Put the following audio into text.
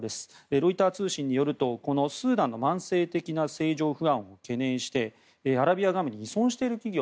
ロイター通信によるとスーダンの慢性的な政情不安を懸念してアラビアガムに依存している企業